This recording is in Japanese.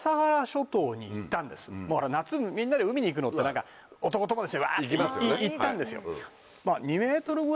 夏みんなで海に行くのって何か男友達でわっと行ったんですよ。